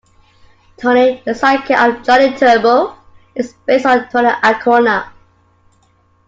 Tony, the sidekick of Johnny Turbo, is based on Tony Ancona.